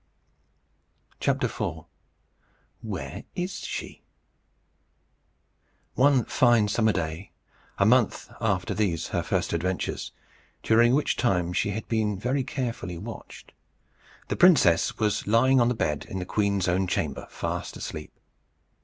IV. WHERE IS SHE? One fine summer day, a month after these her first adventures, during which time she had been very carefully watched, the princess was lying on the bed in the queen's own chamber, fast asleep.